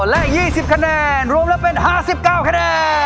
และ๒๐คะแนนรวมแล้วเป็น๕๙คะแนน